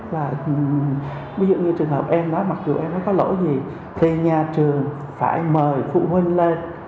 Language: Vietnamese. và ví dụ như trường hợp em đó mặc dù em nó có lỗi gì thì nhà trường phải mời phụ huynh lên